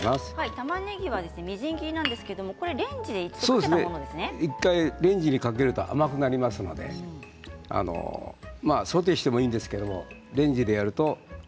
たまねぎはみじん切りなんですが１回レンジにかけると甘くなりますのでソテーしてもいいんですけどレンジでやると。